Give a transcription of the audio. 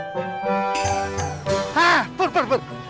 hah pur pur pur